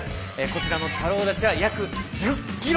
こちらの太郎太刀は約１０ｋｇあります。